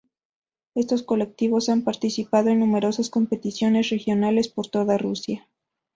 Estos colectivos han participado en numerosas competiciones regionales por toda Rusia.